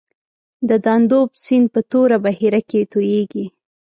د دانوب سیند په توره بحیره کې تویږي.